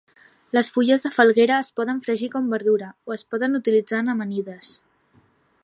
Les fulles de falguera es poden fregir com "verdura" o es poden utilitzar en amanides.